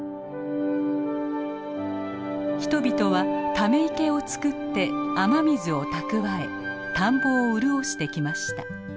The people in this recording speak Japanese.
人々はため池を作って雨水を蓄え田んぼを潤してきました。